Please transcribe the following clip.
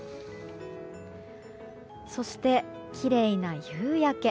そして、きれいな夕焼け。